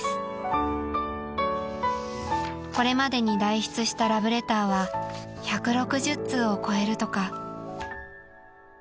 ［これまでに代筆したラブレターは１６０通を超えるとか］